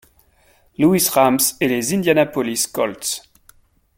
Louis Rams et les Indianapolis Colts.